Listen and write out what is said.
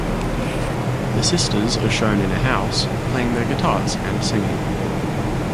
The sisters are shown in a house playing their guitars and singing.